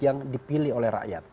yang dipilih oleh rakyat